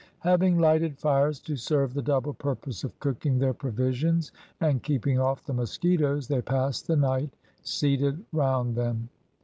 Having lighted fires to serve the double purpose of cooking their provisions and keeping off the mosquitoes, they passed the night seated round them.